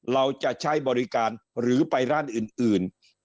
เราจะใช้บริการหรือไปร้านอื่น